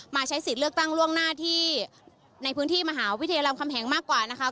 ใช้สิทธิ์เลือกตั้งล่วงหน้าที่ในพื้นที่มหาวิทยาลำคำแหงมากกว่านะคะ